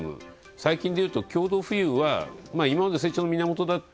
最近でいうと共同富裕は今まで成長の源だった。